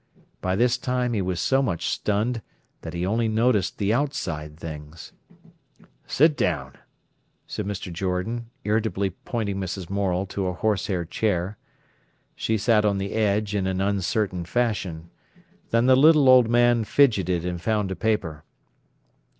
By this time he was so much stunned that he only noticed the outside things. "Sit down!" said Mr. Jordan, irritably pointing Mrs. Morel to a horse hair chair. She sat on the edge in an uncertain fashion. Then the little old man fidgeted and found a paper.